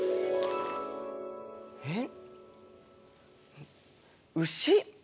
えっ牛？